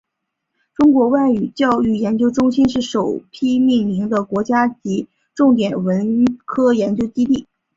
中国外语教育研究中心是首批命名的国家级重点文科研究基地。